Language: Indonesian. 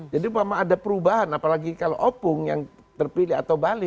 jadi memang ada perubahan apalagi kalau opung yang terpilih atau bali